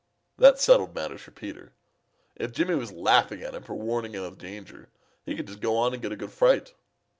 That settled matters for Peter. If Jimmy was laughing at him for warning him of danger, he could just go on and get a good fright.